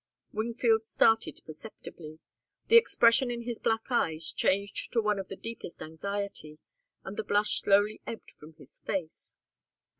Wingfield started perceptibly. The expression in his black eyes changed to one of the deepest anxiety, and the blush slowly ebbed from his face.